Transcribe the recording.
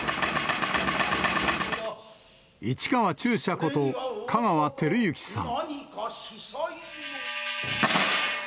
市川中車こと、香川照之さん。